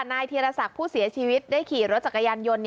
นายธีรศักดิ์ผู้เสียชีวิตได้ขี่รถจักรยานยนต์